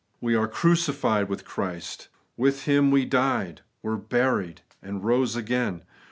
We are crucified with Christ. With Him we died, were buried, and rose again.